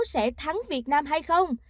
sẽ thắng việt nam hay không